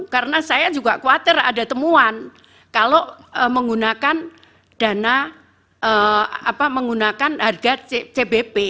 karena saya juga khawatir ada temuan kalau menggunakan harga cbp